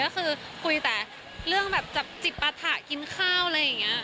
ก็คือคุยแต่เรื่องแบบจับจิบปะถะกินข้าวอะไรอย่างนี้